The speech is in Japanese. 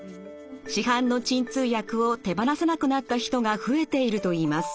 市販の鎮痛薬を手放せなくなった人が増えているといいます。